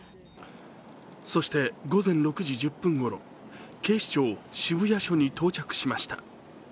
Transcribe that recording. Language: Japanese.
そして午前６時１０分ごろ、警視庁渋谷署に到着しました。